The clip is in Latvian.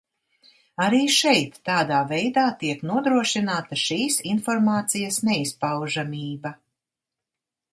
Arī šeit tādā veidā tiek nodrošināta šīs informācijas neizpaužamība.